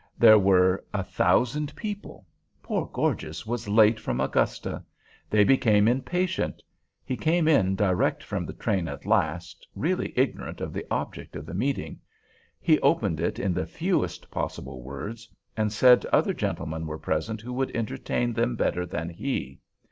There were a thousand people. Poor Gorges was late from Augusta. They became impatient. He came in direct from the train at last, really ignorant of the object of the meeting. He opened it in the fewest possible words, and said other gentlemen were present who would entertain them better than he.